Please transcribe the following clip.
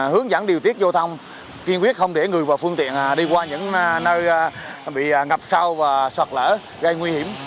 hướng dẫn điều tiết giao thông kiên quyết không để người và phương tiện đi qua những nơi bị ngập sâu và sạt lở gây nguy hiểm